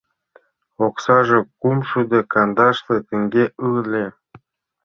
— Оксаже кумшӱдӧ кандашле теҥге ыле.